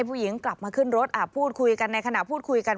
ผู้หญิงกลับมาขึ้นรถพูดคุยกันในขณะพูดคุยกัน